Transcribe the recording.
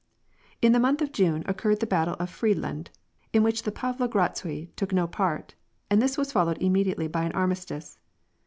In the month of June occurred the battle of Friedland, in which the Pavlogradsui took no part, and this was followed immediately by an armistice.